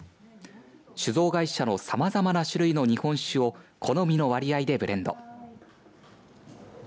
酒造会社のさまざまな種類の日本酒を好みの割合でブレンド。